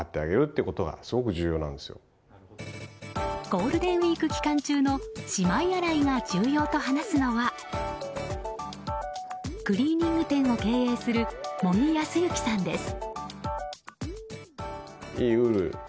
ゴールデンウィーク期間中のしまい洗いが重要と話すのはクリーニング店を経営する茂木康之さんです。